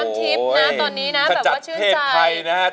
แบบว่าชื่นใจขนกเทพไทยนะ